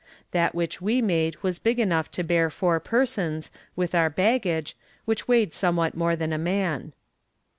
That which we made was big enough to bear four persons, with our baggage, which weighed somewhat more than a man.